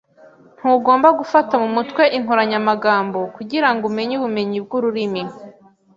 Ntugomba gufata mu mutwe inkoranyamagambo kugirango umenye ubumenyi bwururimi